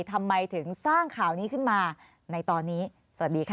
ทำไมถึงสร้างข่าวนี้ขึ้นมาในตอนนี้สวัสดีค่ะ